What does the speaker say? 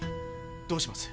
どうします？